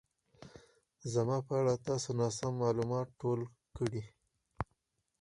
زما په اړه تاسو ناسم مالومات ټول کړي